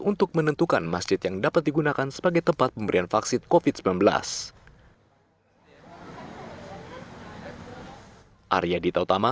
untuk menentukan masjid yang dapat digunakan sebagai tempat pemberian vaksin covid sembilan belas